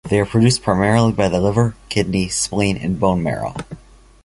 They are produced primarily by the liver, kidney, spleen, and bone marrow.